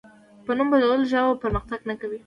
په نوم بدلولو ژبه پرمختګ نه کوي.